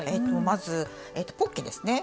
まずポッケですね。